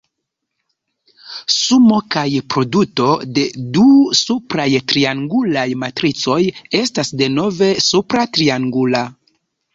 Sumo kaj produto de du supraj triangulaj matricoj estas denove supra triangula.